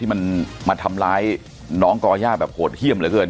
มันมาทำร้ายน้องก่อย่าแบบโหดเยี่ยมเหลือเกิน